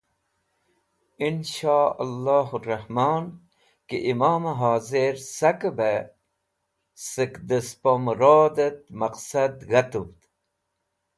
Insho-Alloh ur Rahmon ki Imom-e Hozir saki beh sak dẽ spo mũrod et maqsad g̃hatũvd.